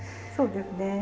そうですね。